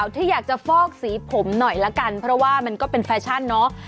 ที่อยากจะฟอกสีผมหน่อยละกันเพราะว่ามันก็เป็นแฟชั่นเนาะ